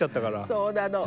そうなの。